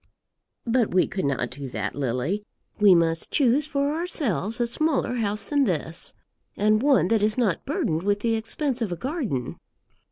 "But we could not do that, Lily. We must choose for ourselves a smaller house than this, and one that is not burdened with the expense of a garden.